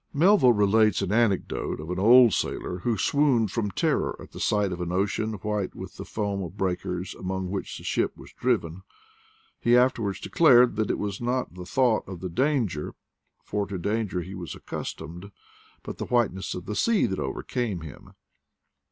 Melville re lates an anecdote of an old sailor who swooned SNOW* AND QUALITY OF WHITENESS 119 from terror at the sight of an ocean white with the foam of breakers among which the ship was driven. He afterwards declared that it was not, the thought of the danger, for to danger he was accustomed, but the whiteness of the sea that overcame him.